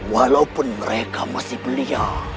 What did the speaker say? walaupun mereka masih belia